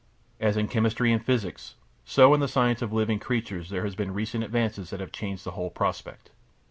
As in chemistry and physics, so in the science of living creatures there have been recent advances that have changed the whole prospect.